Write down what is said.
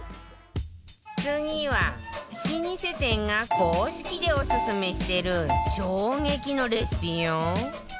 次は老舗店が公式でオススメしてる衝撃のレシピよ